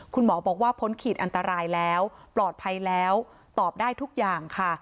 คุณหมอบอกว่าพ้นขีดอันตรายแล้วปลอดภัยแล้วตอบได้ทุกอย่างค่ะ